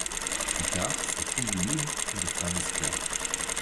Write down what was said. Plus tard ces filles libres font des femmes esclaves.